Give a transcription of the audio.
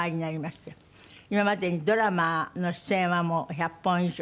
今までにドラマの出演はもう１００本以上。